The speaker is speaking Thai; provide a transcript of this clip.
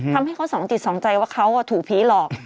ทำให้เขาติดสองใจว่าเขาก็ถูผีหรอก